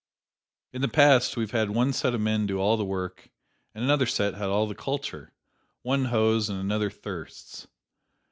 In the past we have had one set of men do all the work, and another set had all the culture: one hoes and another thirsts.